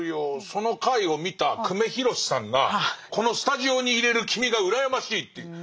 その回を見た久米宏さんがこのスタジオにいれる君が羨ましいっていう。